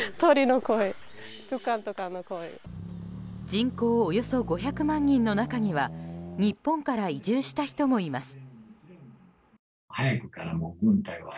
人口およそ５００万人の中には日本から移住した人もいます。